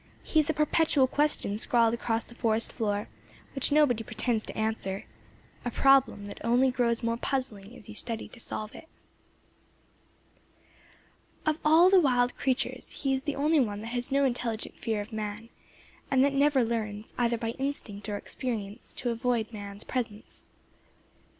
He is a perpetual question scrawled across the forest floor, which nobody pretends to answer; a problem that grows only more puzzling as you study to solve it. Of all the wild creatures he is the only one that has no intelligent fear of man, and that never learns, either by instinct or experience, to avoid man's presence.